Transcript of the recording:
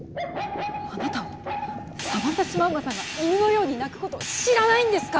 あなたはサバンナシマウマさんが犬のように鳴くことを知らないんですか！？